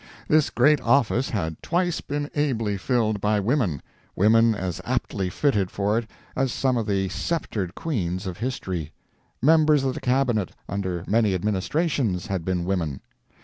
This great office had twice been ably filled by women, women as aptly fitted for it as some of the sceptred queens of history. Members of the cabinet, under many administrations, had been women.